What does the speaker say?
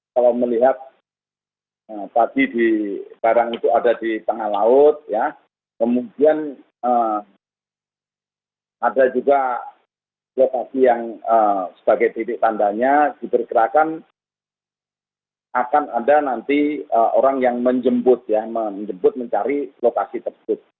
kalau melihat tadi barang itu ada di tengah laut kemudian ada juga lokasi yang sebagai titik tandanya diperkerakan akan ada nanti orang yang menjemput mencari lokasi tersebut